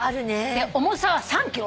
重さは３ｋｇ。